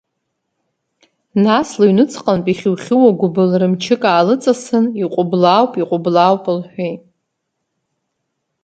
Нас лыҩныҵҟантә ихьу-хьууа гәбылра мчык аалыҵасын, иҟәыблаауп, иҟәыблаауп лҳәеит.